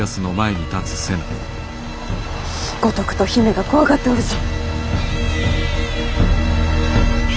五徳と姫が怖がっておるぞ。